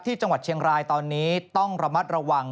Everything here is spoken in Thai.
ที่จังหวัดเชียงรายตอนนี้ต้องระมัดระวัง